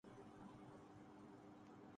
وہ دوپہر سے پہلے نظر نہیں آیا۔